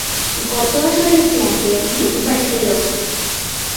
গত আসরের চ্যাম্পিয়ন ছিলো বার্সেলোনা।